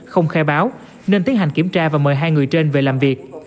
không khai báo nên tiến hành kiểm tra và mời hai người trên về làm việc